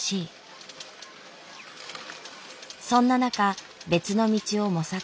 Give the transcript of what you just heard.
そんな中別の道を模索。